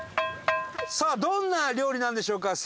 どんな料理なんでしょうか。